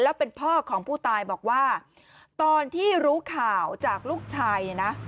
แล้วเป็นพ่อของผู้ตายบอกว่าตอนที่รู้ข่าวจากลูกชายเนี่ยนะ